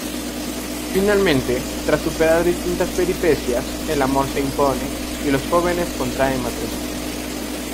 Finalmente, tras superar distintas peripecias, el amor se impone, y los jóvenes contraen matrimonio.